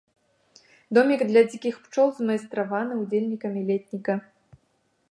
Домік для дзікіх пчол, змайстраваны ўдзельнікамі летніка.